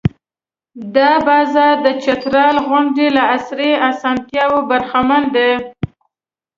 دا بازار د چترال غوندې له عصري اسانتیاوو برخمن دی.